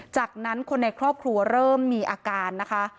จากนั้นคนในครอบครัวเริ่มมีอาการนะคะ